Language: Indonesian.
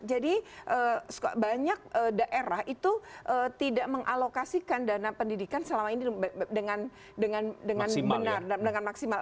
jadi banyak daerah itu tidak mengalokasikan dana pendidikan selama ini dengan benar